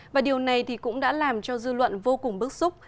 và điều này thì cũng đã làm cho dư luận vô cùng bức xúc